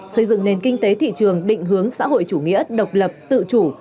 xây dựng nền kinh tế thị trường định hướng xã hội chủ nghĩa độc lập tự chủ